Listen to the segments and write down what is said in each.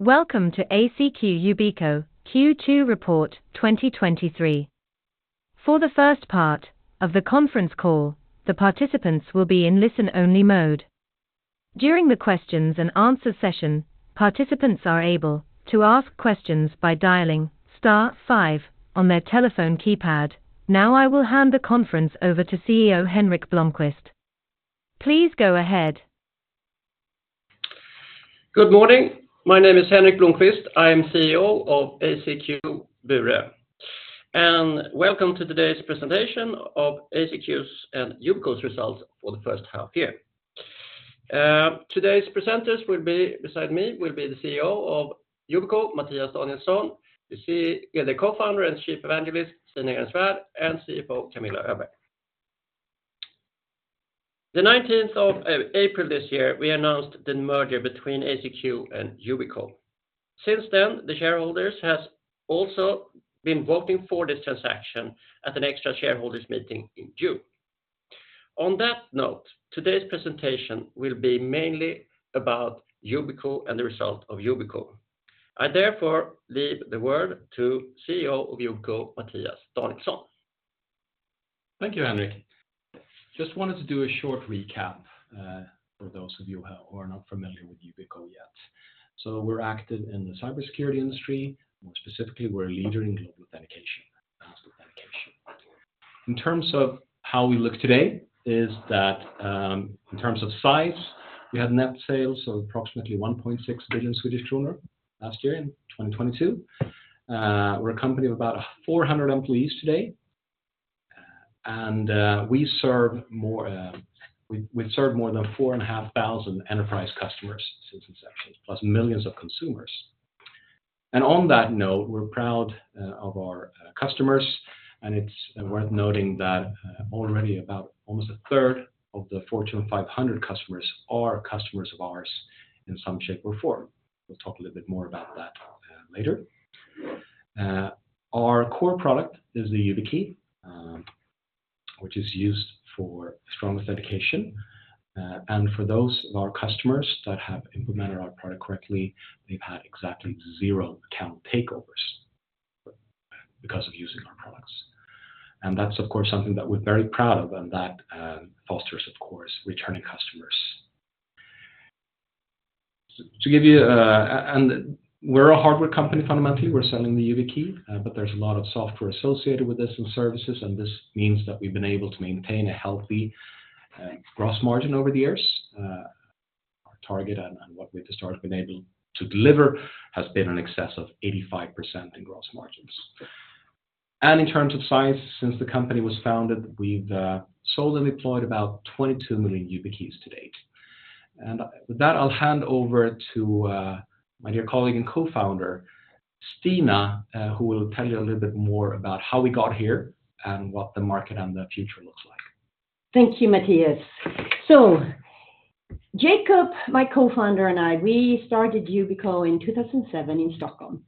Welcome to ACQ Yubico Q2 Report 2023. For the first part of the conference call, the participants will be in listen-only mode. During the questions and answer session, participants are able to ask questions by dialing star five on their telephone keypad. Now, I will hand the conference over to CEO, Henrik Blomquist. Please go ahead. Good morning. My name is Henrik Blomquist. I am CEO of ACQ Bure, and welcome to today's presentation of ACQ's and Yubico's results for the first half year. Today's presenters will be, beside me, the CEO of Yubico, Mattias Danielsson, the Co-founder and Chief Evangelist, Stina Ehrensvard, and CFO, Camilla Öberg. The 19th of April this year, we announced the merger between ACQ and Yubico. Since then, the shareholders has also been voting for this transaction at an extra shareholders meeting in June. On that note, today's presentation will be mainly about Yubico and the result of Yubico. I therefore leave the word to CEO of Yubico, Mattias Danielsson. Thank you, Henrik. Just wanted to do a short recap for those of you who are not familiar with Yubico yet. We're active in the cybersecurity industry. More specifically, we're a leader in global authentication, password authentication. In terms of how we look today, is that, in terms of size, we had net sales of approximately 1.6 billion Swedish kronor last year in 2022. We're a company of about 400 employees today, and we serve more than 4,500 enterprise customers since inception, plus millions of consumers. On that note, we're proud of our customers, and it's worth noting that already about almost a third of the Fortune 500 customers are customers of ours in some shape or form. We'll talk a little bit more about that, later. Our core product is the YubiKey, which is used for strong authentication, and for those of our customers that have implemented our product correctly, they've had exactly 0 account takeovers because of using our products. That's, of course, something that we're very proud of, and that fosters, of course, returning customers. To give you... We're a hardware company, fundamentally, we're selling the YubiKey, but there's a lot of software associated with this and services, and this means that we've been able to maintain a healthy gross margin over the years. Our target and, and what we've historically been able to deliver has been in excess of 85% in gross margins. In terms of size, since the company was founded, we've sold and deployed about 22 million YubiKeys to date. With that, I'll hand over to my dear colleague and co-founder, Stina, who will tell you a little bit more about how we got here and what the market and the future looks like. Thank you, Mattias. Jakob Ehrensvärd, my co-founder and I, we started Yubico in 2007 in Stockholm.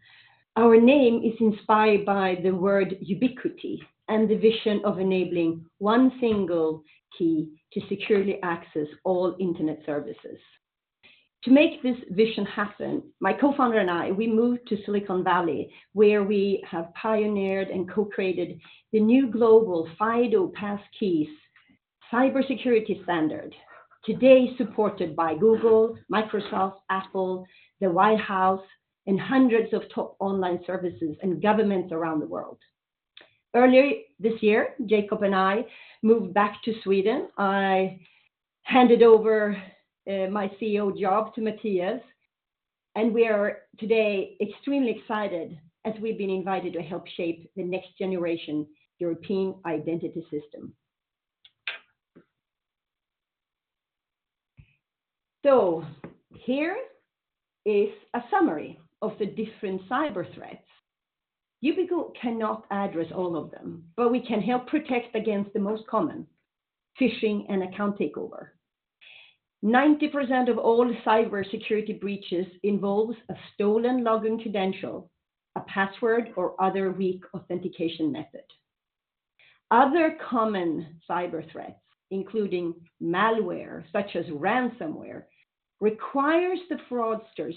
Our name is inspired by the word ubiquity and the vision of enabling one single key to securely access all internet services. To make this vision happen, my co-founder and I, we moved to Silicon Valley, where we have pioneered and co-created the new global FIDO Passkeys cybersecurity standard, today, supported by Google, Microsoft, Apple, the White House, and hundreds of top online services and governments around the world. Earlier this year, Jakob and I moved back to Sweden. I handed over my CEO job to Mattias, and we are today extremely excited, as we've been invited to help shape the next generation European identity system. Here is a summary of the different cyber threats. Yubico cannot address all of them, but we can help protect against the most common, phishing and account takeover. 90% of all cybersecurity breaches involves a stolen login credential, a password, or other weak authentication method. Other common cyber threats, including malware, such as ransomware, requires the fraudsters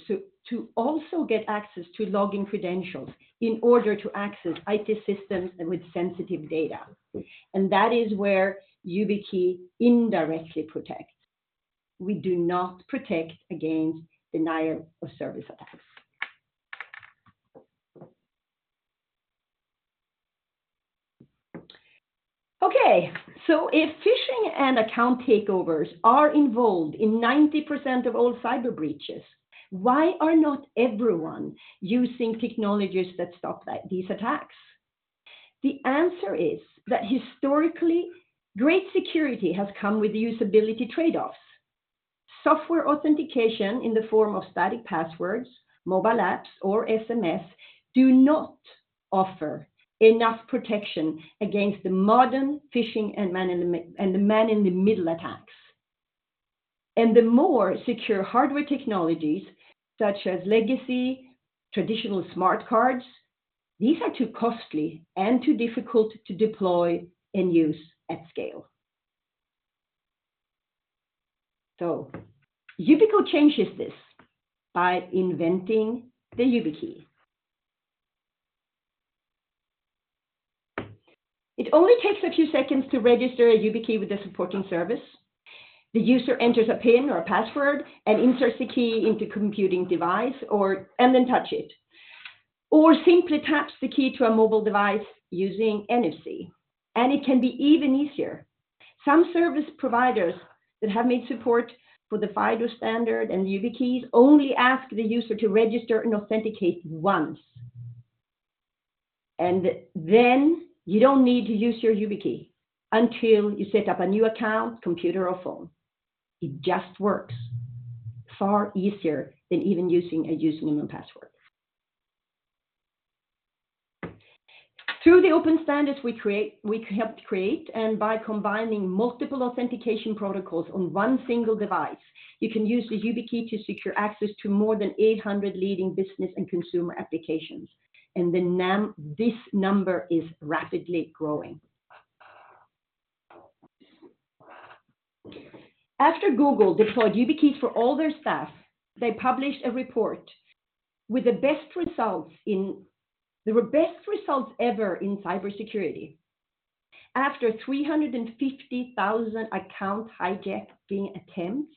to also get access to login credentials in order to access IT systems and with sensitive data, and that is where YubiKey indirectly protects. We do not protect against denial of service attacks. If phishing and account takeovers are involved in 90% of all cyber breaches, why are not everyone using technologies that stop these attacks? The answer is that historically, great security has come with usability trade-offs. Software authentication in the form of static passwords, mobile apps, or SMS, do not offer enough protection against the modern phishing and man in the middle attacks. The more secure hardware technologies, such as legacy, traditional smart cards, these are too costly and too difficult to deploy and use at scale. Yubico changes this by inventing the YubiKey. It only takes a few seconds to register a YubiKey with a supporting service. The user enters a PIN or a password and inserts the key into computing device or, and then touch it, or simply taps the key to a mobile device using NFC, and it can be even easier. Some service providers that have made support for the FIDO standard and YubiKeys only ask the user to register and authenticate once. You don't need to use your YubiKey until you set up a new account, computer, or phone. It just works far easier than even using a username and password. Through the open standards we create, we helped create and by combining multiple authentication protocols on one single device, you can use the YubiKey to secure access to more than 800 leading business and consumer applications, and this number is rapidly growing. After Google deployed YubiKeys for all their staff, they published a report with the best results ever in cybersecurity. After 350,000 account hijacking attempts,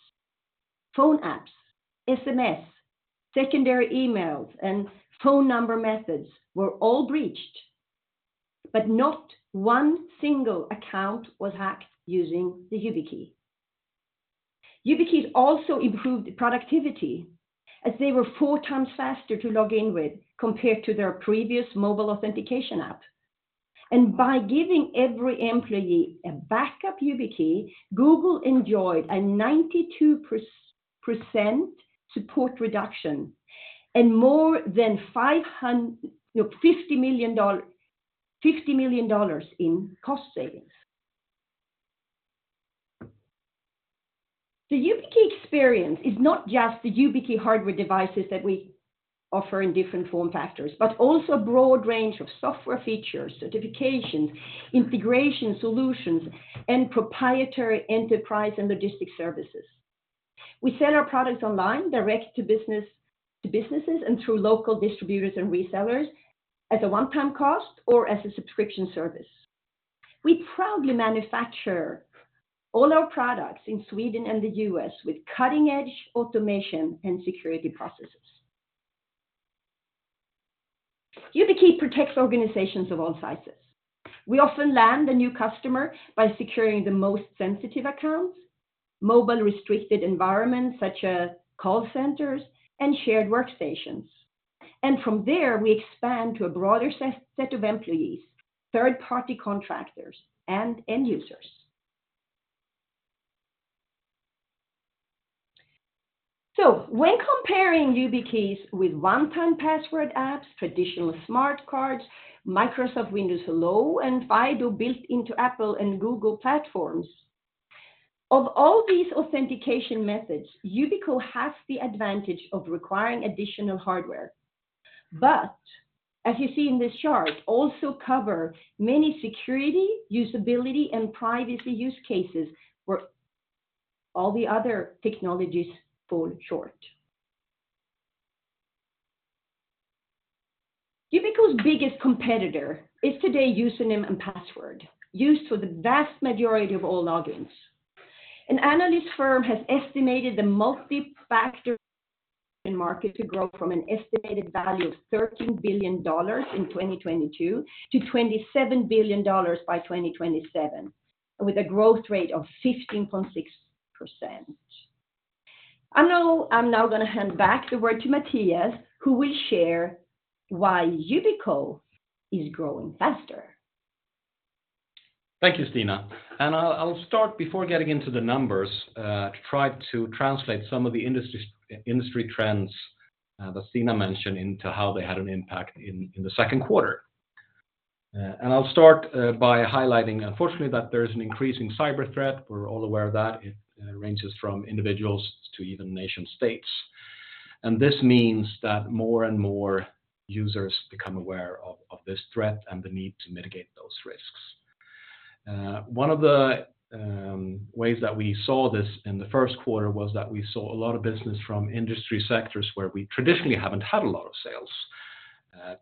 phone apps, SMS, secondary emails, and phone number methods were all breached, but not one single account was hacked using the YubiKey. YubiKeys also improved productivity, as they were 4 times faster to log in with compared to their previous mobile authentication app. By giving every employee a backup YubiKey, Google enjoyed a 92% support reduction and more than $50 million, $50 million in cost savings. The YubiKey experience is not just the YubiKey hardware devices that we offer in different form factors, but also a broad range of software features, certifications, integration solutions, and proprietary enterprise and logistic services. We sell our products online, direct to business, to businesses and through local distributors and resellers as a one-time cost or as a subscription service. We proudly manufacture all our products in Sweden and the U.S. with cutting-edge automation and security processes. YubiKey protects organizations of all sizes. We often land a new customer by securing the most sensitive accounts, mobile restricted environments, such as call centers and shared workstations. From there, we expand to a broader set of employees, third-party contractors, and end users. When comparing YubiKeys with one-time password apps, traditional smart cards, Microsoft Windows Hello, and FIDO built into Apple and Google platforms, of all these authentication methods, Yubico has the advantage of requiring additional hardware. As you see in this chart, also cover many security, usability and privacy use cases where all the other technologies fall short. Yubico's biggest competitor is today, username and password, used for the vast majority of all logins. An analyst firm has estimated the multi-factor market to grow from an estimated value of $13 billion in 2022 to $27 billion by 2027, with a growth rate of 15.6%. I'm now going to hand back the word to Mattias, who will share why Yubico is growing faster. Thank you, Stina. I'll start before getting into the numbers to try to translate some of the industry trends that Stina mentioned into how they had an impact in the second quarter. I'll start by highlighting, unfortunately, that there is an increasing cyber threat. We're all aware of that. It ranges from individuals to even nation-states. This means that more and more users become aware of this threat and the need to mitigate those risks. One of the ways that we saw this in the first quarter was that we saw a lot of business from industry sectors where we traditionally haven't had a lot of sales.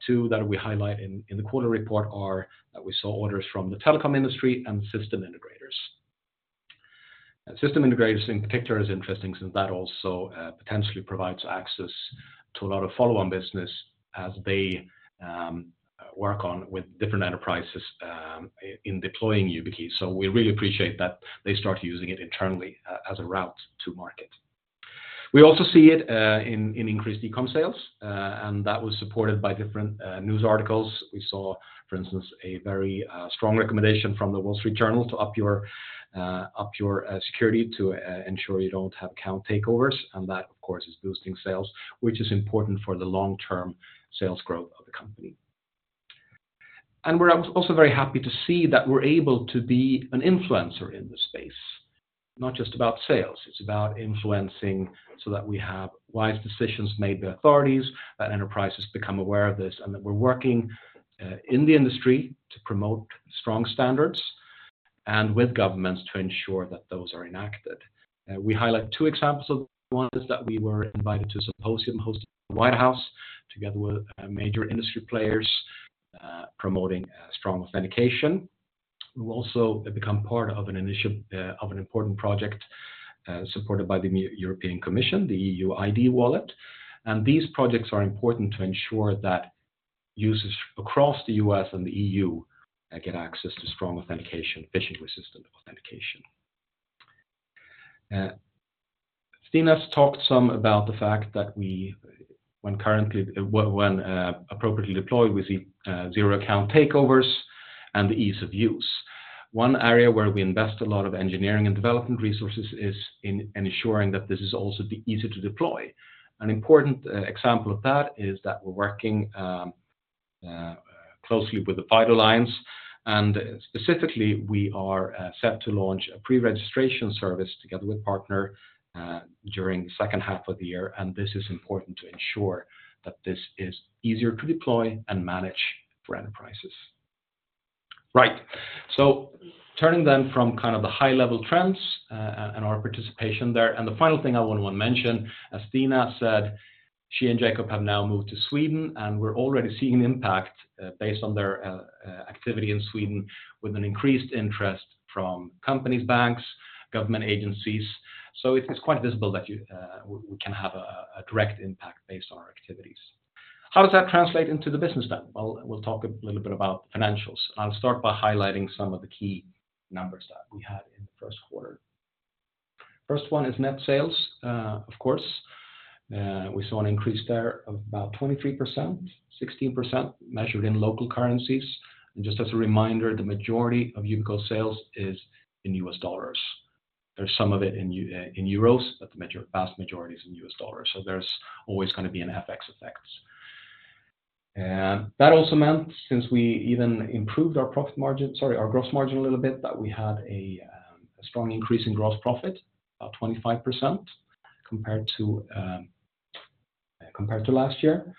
Two that we highlight in the quarter report are that we saw orders from the telecom industry and system integrators. System integrators in particular is interesting since that also potentially provides access to a lot of follow-on business as they work on with different enterprises in deploying YubiKey. We really appreciate that they start using it internally as a route to market. We also see it in increased e-com sales, that was supported by different news articles. We saw, for instance, a very strong recommendation from The Wall Street Journal to up your up your security to ensure you don't have account takeovers. That, of course, is boosting sales, which is important for the long-term sales growth of the company. We're also very happy to see that we're able to be an influencer in this space, not just about sales. It's about influencing so that we have wise decisions made by authorities, that enterprises become aware of this, and that we're working in the industry to promote strong standards. With governments to ensure that those are enacted. We highlight two examples of ones that we were invited to a symposium hosted at the White House, together with major industry players, promoting strong authentication. We've also become part of an initiative of an important project supported by the European Commission, the EU Digital Identity Wallet. These projects are important to ensure that users across the U.S. and the EU get access to strong authentication, phishing-resistant authentication. Stina's talked some about the fact that we, when currently, when appropriately deployed, we see zero account takeovers and the ease of use. One area where we invest a lot of engineering and development resources is in ensuring that this is also easy to deploy. An important example of that is that we're working closely with the FIDO Alliance, and specifically, we are set to launch a pre-registration service together with partner during the second half of the year, and this is important to ensure that this is easier to deploy and manage for enterprises. Right. Turning then from kind of the high-level trends, and our participation there. The final thing I want to mention, as Stina said, she and Jakob have now moved to Sweden, and we're already seeing an impact based on their activity in Sweden, with an increased interest from companies, banks, government agencies. It's quite visible that you, we can have a direct impact based on our activities. How does that translate into the business then? Well, we'll talk a little bit about financials. I'll start by highlighting some of the key numbers that we had in the first quarter. First one is net sales, of course, we saw an increase there of about 23%, 16%, measured in local currencies. Just as a reminder, the majority of Yubico sales is in U.S. dollars. There's some of it in euros, but the major, vast majority is in U.S. dollars, so there's always going to be an FX effect. That also meant, since we even improved our profit margin, sorry, our gross margin a little bit, that we had a strong increase in gross profit, about 25%, compared to last year.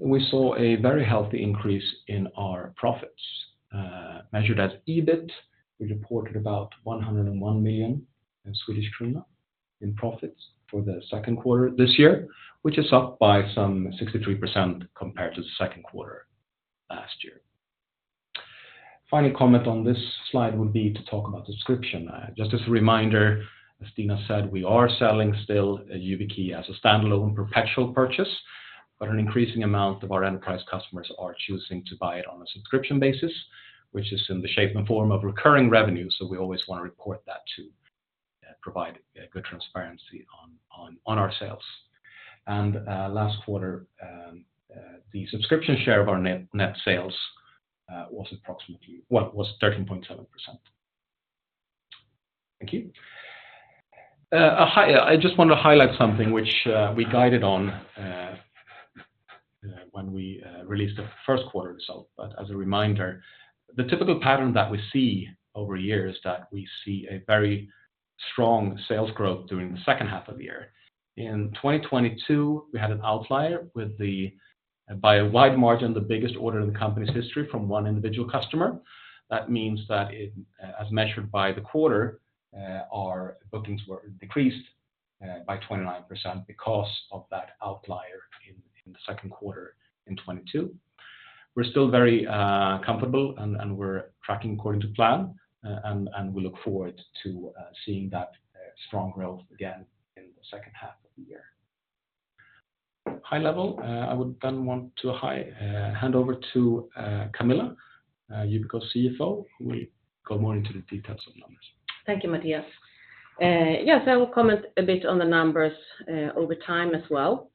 We saw a very healthy increase in our profits. Measured as EBIT, we reported about 101 million Swedish kronor in profits for the second quarter this year, which is up by some 63% compared to the second quarter last year. Final comment on this slide would be to talk about subscription. Just as a reminder, as Stina said, we are selling still a YubiKey as a standalone perpetual purchase, but an increasing amount of our enterprise customers are choosing to buy it on a subscription basis, which is in the shape and form of recurring revenue, so we always want to report that to provide a good transparency on our sales. Last quarter, the subscription share of our net sales was approximately, well, was 13.7%. Thank you. I just want to highlight something which we guided on when we released the first quarter result. As a reminder, the typical pattern that we see over years, that we see a very strong sales growth during the second half of the year. In 2022, we had an outlier with the, by a wide margin, the biggest order in the company's history from one individual customer. That means that it, as measured by the quarter, our bookings were decreased by 29% because of that outlier in the second quarter in 2022. We're still very comfortable and we're tracking according to plan, and we look forward to seeing that strong growth again in the second half of the year. High level, I would then want to hand over to Camilla, Yubico CFO, who will go more into the details of numbers. Thank you, Mattias. Yes, I will comment a bit on the numbers over time as well.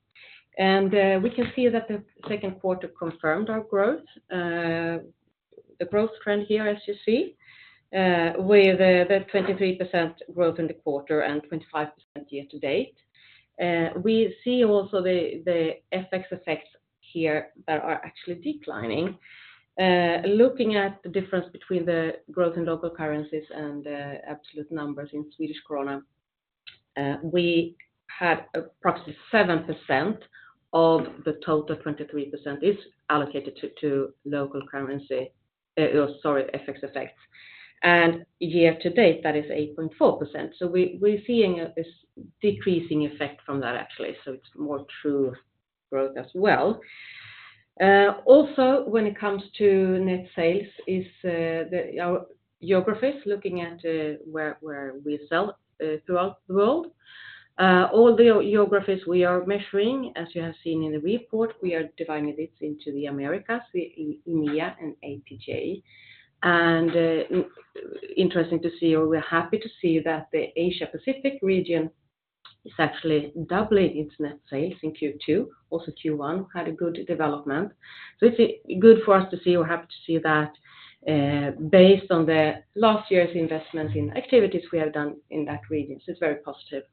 We can see that the second quarter confirmed our growth, the growth trend here, as you see, with the 23% growth in the quarter and 25% year-to-date. We see also the FX effects here that are actually declining. Looking at the difference between the growth in local currencies and the absolute numbers in Swedish krona, we had approximately 7% of the total 23% is allocated to local currency, sorry, FX effects. Year-to-date, that is 8.4%. We're seeing this decreasing effect from that, actually, so it's more true growth as well. When it comes to net sales is, the, our geographies, looking at, where, where we sell, throughout the world. All the geographies we are measuring, as you have seen in the report, we are dividing this into the Americas, EMEA and APJ. Interesting to see, or we're happy to see that the Asia Pacific region is actually doubling its net sales in Q2. Q1 had a good development. It's good for us to see or have to see that, based on the last year's investment in activities we have done in that region. It's very positive.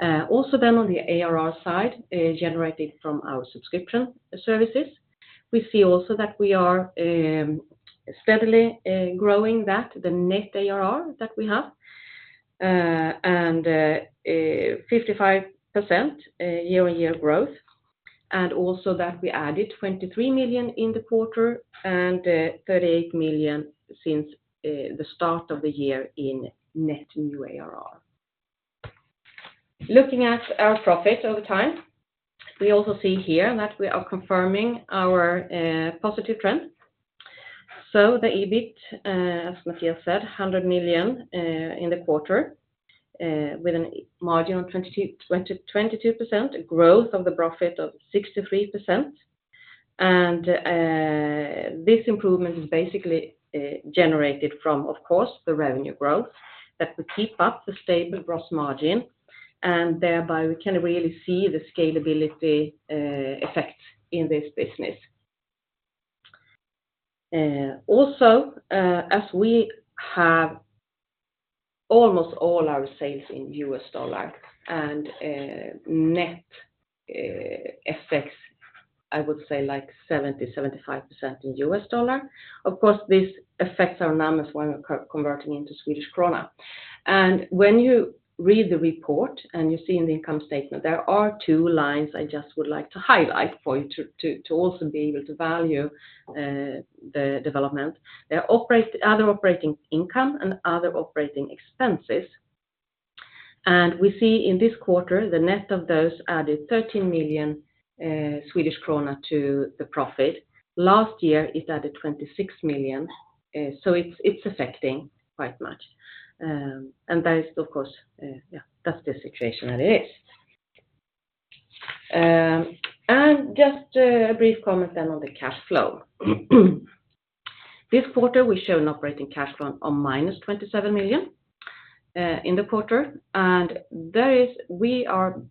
Then on the ARR side, generated from our subscription services, we see also that we are steadily growing that, the net ARR that we have, and 55% year-on-year growth. Also that we added 23 million in the quarter and 38 million since the start of the year in net new ARR. Looking at our profit over time, we also see here that we are confirming our positive trend. The EBIT, as Mattias said, 100 million in the quarter, with a margin of 22%, a growth of the profit of 63%. This improvement is basically generated from, of course, the revenue growth, that we keep up the stable gross margin, and thereby we can really see the scalability effect in this business. Also, as we have almost all our sales in US dollar and net effects, I would say like 70%-75% in US dollar. Of course, this affects our numbers when we're converting into Swedish krona. When you read the report and you see in the income statement, there are two lines I just would like to highlight for you to, to, to also be able to value the development. They are other operating income and other operating expenses. We see in this quarter, the net of those added 13 million Swedish krona to the profit. Last year, it added 26 million, so it's, it's affecting quite much. That is, of course, yeah, that's the situation that it is. Just a brief comment then on the cash flow. This quarter, we show an operating cash flow on minus 27 million, in the quarter. There is-- we are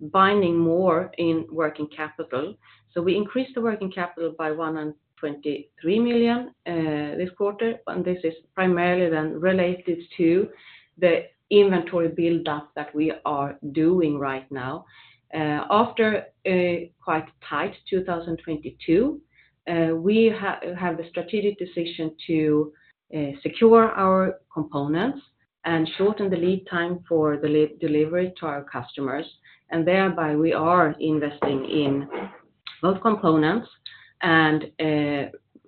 binding more in working capital, so we increased the working capital by 123 million, this quarter. This is primarily then related to the inventory build-up that we are doing right now. After a quite tight 2022, we have, have a strategic decision to secure our components and shorten the lead time for the delivery to our customers. Thereby, we are investing in both components and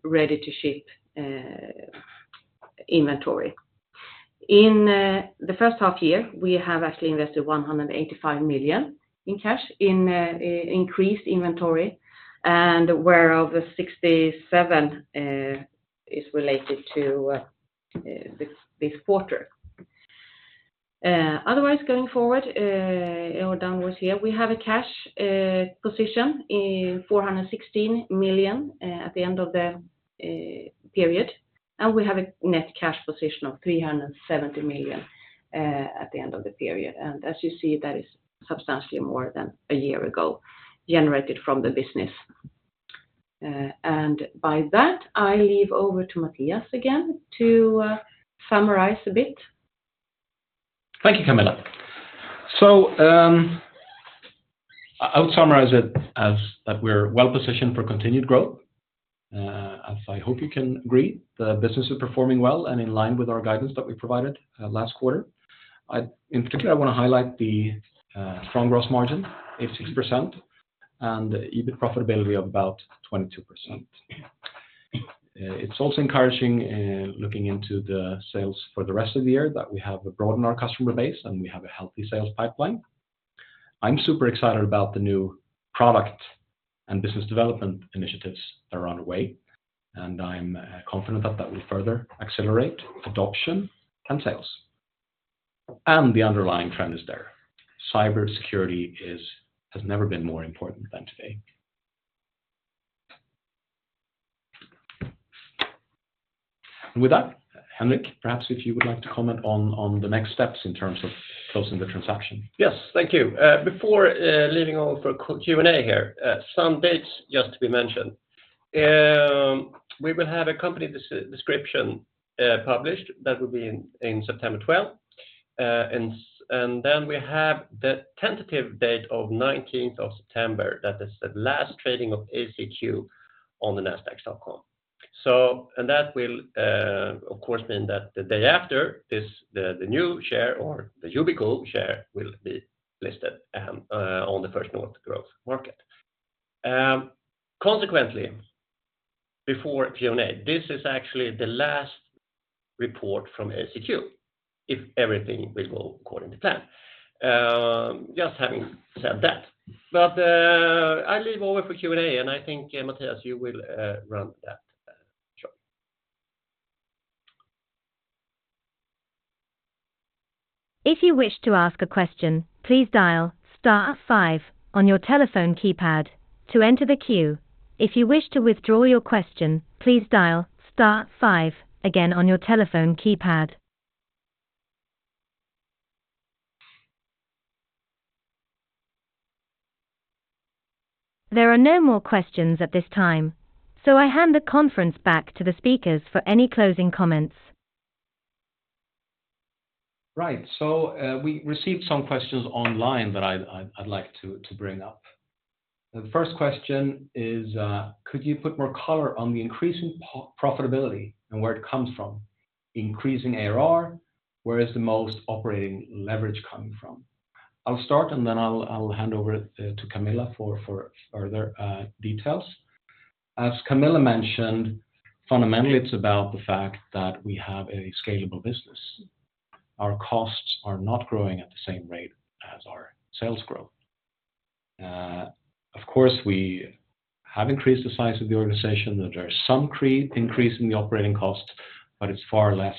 ready-to-ship inventory. In the first half year, we have actually invested 185 million in cash, in increased inventory, whereof 67 is related to this, this quarter. Otherwise, going forward, or downwards here, we have a cash position in 416 million at the end of the period, and we have a net cash position of 370 million at the end of the period. As you see, that is substantially more than a year ago, generated from the business. By that, I leave over to Mattias again to summarize a bit. Thank you, Camilla. I would summarize it as that we're well positioned for continued growth. As I hope you can agree, the business is performing well and in line with our guidance that we provided last quarter. In particular, I want to highlight the strong gross margin, 86%, and EBIT profitability of about 22%. It's also encouraging, looking into the sales for the rest of the year, that we have broadened our customer base and we have a healthy sales pipeline. I'm super excited about the new product and business development initiatives that are on the way, and I'm confident that that will further accelerate adoption and sales. The underlying trend is there. Cybersecurity is, has never been more important than today. With that, Henrik, perhaps if you would like to comment on the next steps in terms of closing the transaction. Yes, thank you. Before leaving over for Q&A here, some dates just to be mentioned. We will have a company description published, that will be in September 12. We have the tentative date of 19th of September. That is the last trading of ACQ on the Nasdaq Stockholm. That will, of course, mean that the day after this, the, the new share or the Yubico share will be listed on the Nasdaq First North Growth Market. Consequently, before Q&A, this is actually the last report from ACQ, if everything will go according to plan. Just having said that, I leave over for Q&A, and I think, Mattias, you will run that show. If you wish to ask a question, please dial star five on your telephone keypad to enter the queue. If you wish to withdraw your question, please dial star five again on your telephone keypad. There are no more questions at this time, so I hand the conference back to the speakers for any closing comments. Right. We received some questions online that I'd like to bring up. The first question is, could you put more color on the increasing profitability and where it comes from?... increasing ARR, where is the most operating leverage coming from? I'll start, and then I'll, I'll hand over it to Camilla for, for further details. As Camilla mentioned, fundamentally, it's about the fact that we have a scalable business. Our costs are not growing at the same rate as our sales growth. Of course, we have increased the size of the organization, that there are some increase in the operating costs, but it's far less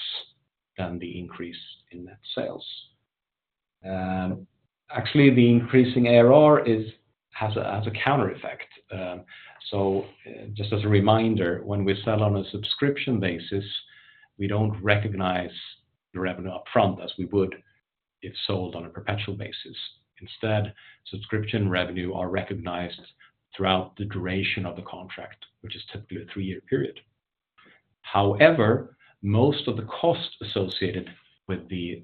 than the increase in net sales. Actually, the increasing ARR is, has a, has a counter effect. Just as a reminder, when we sell on a subscription basis, we don't recognize the revenue upfront as we would if sold on a perpetual basis. Instead, subscription revenue are recognized throughout the duration of the contract, which is typically a three-year period. However, most of the costs associated with the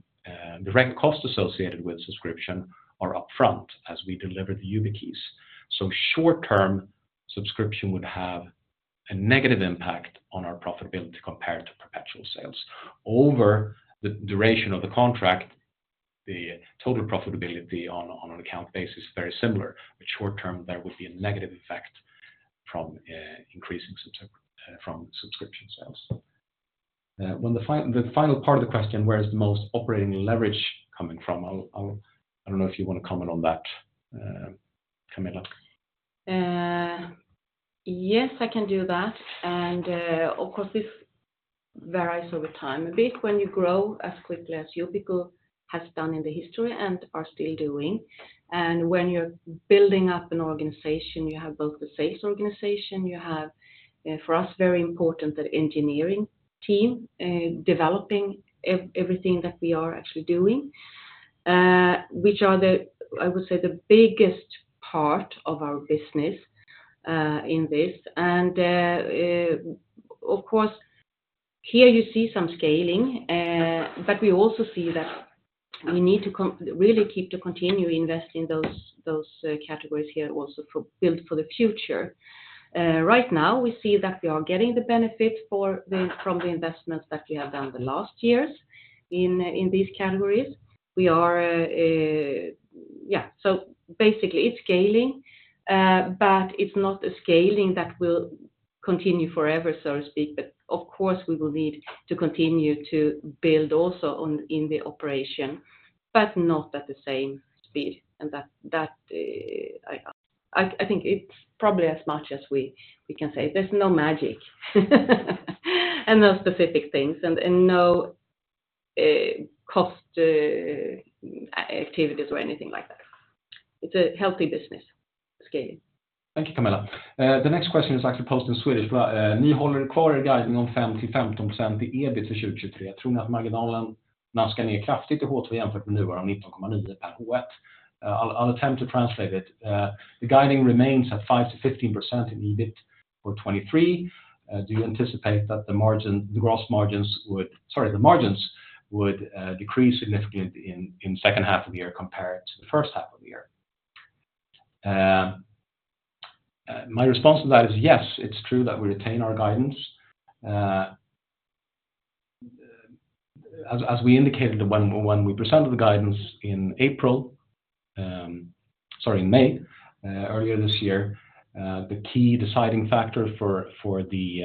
direct costs associated with subscription are upfront as we deliver the YubiKeys. Short term, subscription would have a negative impact on our profitability compared to perpetual sales. Over the duration of the contract, the total profitability on, on an account basis is very similar, but short term, there would be a negative effect from increasing subscrip- from subscription sales. When the fin- the final part of the question, where is the most operating leverage coming from? I'll, I'll... I don't know if you wanna comment on that, Camilla. Yes, I can do that. Of course, this varies over time a bit when you grow as quickly as Yubico has done in the history and are still doing. When you're building up an organization, you have both the sales organization, you have, for us, very important, the engineering team, developing everything that we are actually doing, which are the, I would say, the biggest part of our business, in this. Of course, here you see some scaling, but we also see that we need to really keep to continue investing those, those categories here also for build for the future. Right now, we see that we are getting the benefit for the, from the investments that we have done the last years in, in these categories. We are, yeah, so basically, it's scaling, but it's not a scaling that will continue forever, so to speak. Of course, we will need to continue to build also on, in the operation, but not at the same speed. That, that, I, I think it's probably as much as we, we can say. There's no magic, and no specific things, and, and no, cost, activities or anything like that. It's a healthy business scaling. Thank you, Camilla. The next question is actually posted in Swedish, but, ""... 5%-15% in EBIT for 2023. Do you think that the margin will go down significantly in H2 compared to now at 19.9% per H1?"" I'll, I'll attempt to translate it. The guiding remains at 5%-15% in EBIT for 2023. Do you anticipate that the margin, the gross margins would-- sorry, the margins would, decrease significantly in, in second half of the year compared to the first half of the year? My response to that is, yes, it's true that we retain our guidance. As, as we indicated when, when we presented the guidance in April, sorry, in May, earlier this year, the key deciding factor for, for the,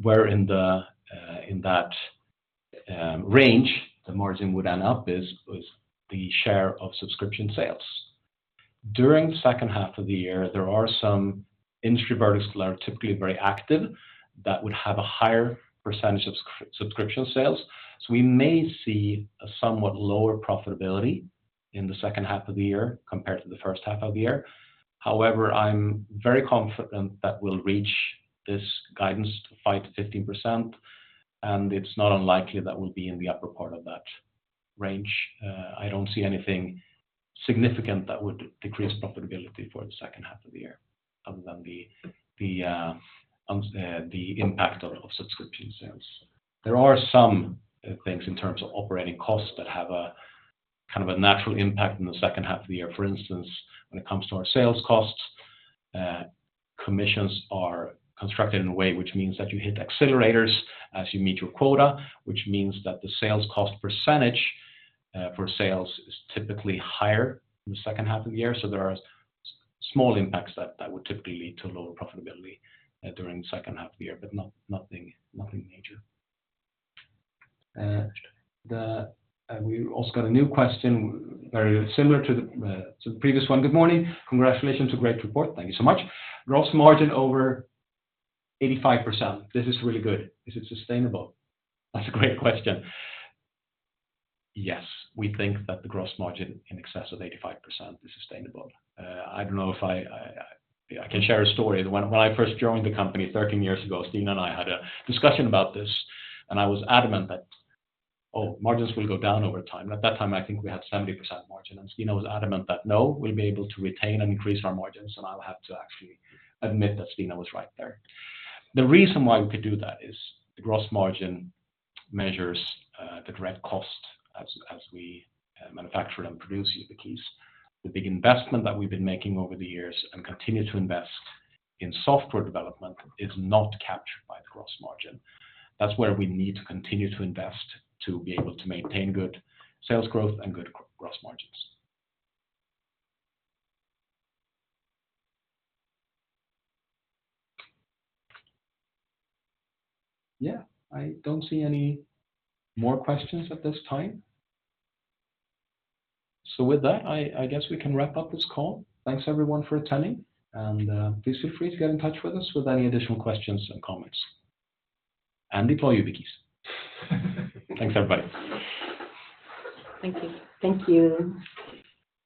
where in the, in that, range the margin would end up is, was the share of subscription sales. During the second half of the year, there are some industry verticals that are typically very active that would have a higher percentage of subscription sales. We may see a somewhat lower profitability in the second half of the year compared to the first half of the year. However, I'm very confident that we'll reach this guidance to 5%-15%, and it's not unlikely that we'll be in the upper part of that range. I don't see anything significant that would decrease profitability for the second half of the year other than the, the, the impact of, of subscription sales. There are some things in terms of operating costs that have a, kind of a natural impact in the second half of the year. For instance, when it comes to our sales costs, commissions are constructed in a way which means that you hit accelerators as you meet your quota, which means that the sales cost percentage for sales is typically higher in the second half of the year. There are small impacts that, that would typically lead to lower profitability during the second half of the year, but nothing, nothing major. We also got a new question, very similar to the previous one. "Good morning. Congratulations, a great report." Thank you so much. "Gross margin over 85%. This is really good. Is it sustainable?" That's a great question. Yes, we think that the gross margin in excess of 85% is sustainable. I don't know if I can share a story. When I first joined the company 13 years ago, Stina and I had a discussion about this, I was adamant that, "Oh, margins will go down over time." At that time, I think we had 70% margin, Stina was adamant that, "No, we'll be able to retain and increase our margins," I'll have to actually admit that Stina was right there. The reason why we could do that is the gross margin measures the direct cost as we manufacture and produce YubiKeys. The big investment that we've been making over the years and continue to invest in software development is not captured by the gross margin. That's where we need to continue to invest to be able to maintain good sales growth and good gross margins. Yeah, I don't see any more questions at this time. With that, I guess we can wrap up this call. Thanks, everyone, for attending, and please feel free to get in touch with us with any additional questions and comments. Deploy YubiKeys. Thanks, everybody. Thank you. Thank you.